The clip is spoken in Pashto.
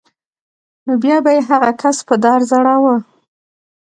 نو بیا به یې هغه کس په دار ځړاوه